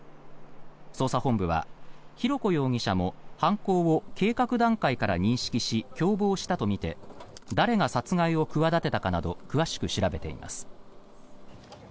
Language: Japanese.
捜査本部は浩子容疑者も犯行を計画段階から認識し共謀したとみて誰が殺害を企てたかなど詳しく調べています。